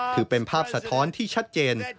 คือเป็นภาพสะท้อนที่ชัดเจน